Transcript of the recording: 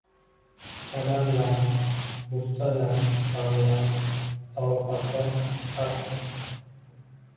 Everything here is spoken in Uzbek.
Kadarlar, gʻussalar, gʻamlar, safolatlar haqiqatdir